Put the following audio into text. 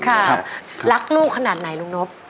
ค่ะรักลูกขนาดไหนลุงนบ